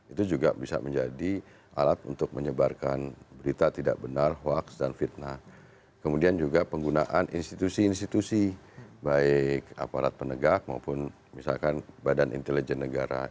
itu juga bisa menjadi alat untuk menyebarkan berita tidak benar hoaks dan fitnah kemudian juga penggunaan institusi institusi baik aparat penegak maupun misalkan badan intelijen negara